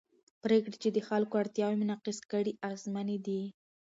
پرېکړې چې د خلکو اړتیاوې منعکس کړي اغېزمنې دي